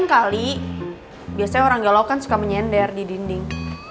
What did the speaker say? enam kali biasanya orang galau kan suka menyender di dinding